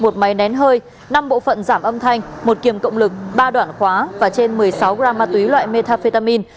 một máy nén hơi năm bộ phận giảm âm thanh một kiềm cộng lực ba đoạn khóa và trên một mươi sáu gram ma túy loại metafetamin